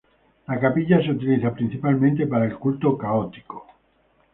La capilla se utiliza principalmente para el culto católico.